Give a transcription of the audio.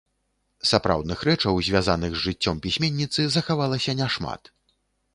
Сапраўдных рэчаў, звязаных з жыццём пісьменніцы, захавалася няшмат.